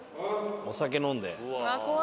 お酒飲んで。